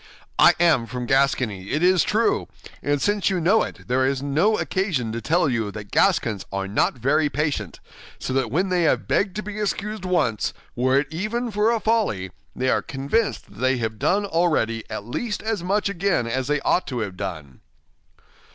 "I am from Gascony, it is true; and since you know it, there is no occasion to tell you that Gascons are not very patient, so that when they have begged to be excused once, were it even for a folly, they are convinced that they have done already at least as much again as they ought to have done."